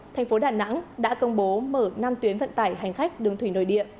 thành phố đà nẵng đã công bố mở năm tuyến vận tải hành khách đường thủy nội địa